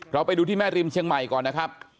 เราไปดูที่แม่ริมเชียงใหม่ก่อนนะครับ